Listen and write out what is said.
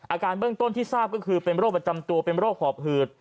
อาการเบื้องต้นที่ทราบก็คือเป็นโรคประจำตัวเป็นโรคหอบหืด